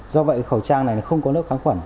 do vậy khẩu trang này không có nước kháng khuẩn